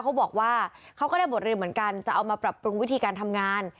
เขาบอกว่าเขาก็ได้บทเรียนเหมือนกันจะเอามาปรับปรุงวิธีการทำงาน